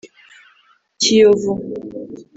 Kiyovu